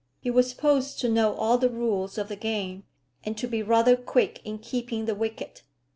He was supposed to know all the rules of the game, and to be rather quick in keeping the wicket.